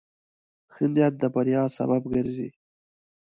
ښه نیت د بریا سبب ګرځي.